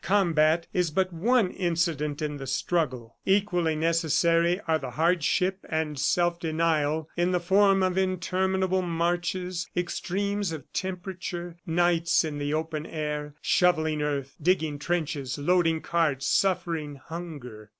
Combat is but one incident in the struggle. Equally necessary are the hardship and self denial in the form of interminable marches, extremes of temperature, nights in the open air, shoveling earth, digging trenches, loading carts, suffering hunger.